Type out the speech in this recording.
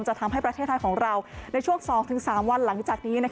จะทำให้ประเทศไทยของเราในช่วง๒๓วันหลังจากนี้